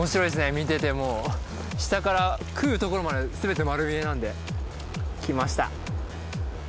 見ててもう下から食うところまですべて丸見えなんで来ました